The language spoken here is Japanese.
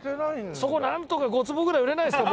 そこをなんとか５坪ぐらい売れないですか？